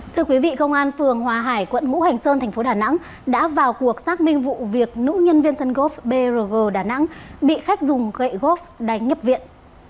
thưa quý vị công an phường hòa hải quận ngũ hành sơn thành phố đà nẵng đã vào cuộc xác minh vụ việc nữ nhân viên sân gốc brg đà nẵng bị khách dùng gậy góp đánh nhập viện